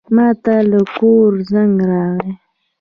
ماته له کوره زنګ راغی.